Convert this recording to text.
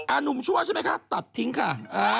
หนุ่มชั่วใช่ไหมคะตัดทิ้งค่ะ